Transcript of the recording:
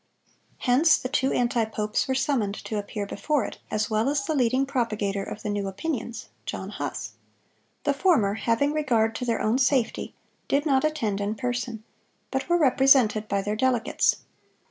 Hence the two anti popes were summoned to appear before it, as well as the leading propagator of the new opinions, John Huss. The former, having regard to their own safety, did not attend in person, but were represented by their delegates.